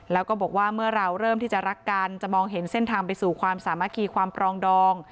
แล้วก็บอกว่าเมื่อเราเริ่มที่จะรักกันจะมองเห็นเส้นทางไปสู่ความสามัคคีความปรองดอง